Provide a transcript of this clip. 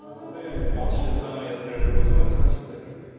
岸田さんがやっておられることは正しいことをやっておられる